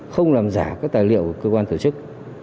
không làm giả các tài liệu của cơ quan tổ chức